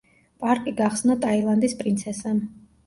პარკი გახსნა ტაილანდის პრინცესამ.